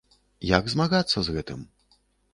Як змагацца з гэтым?